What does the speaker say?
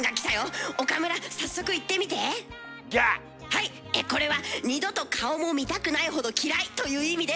はいこれは「二度と顔も見たくないほど嫌い」という意味です。